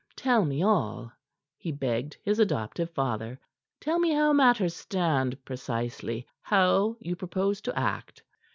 "Tell me all," he begged his adoptive father. "Tell me how matters stand precisely how you propose to act."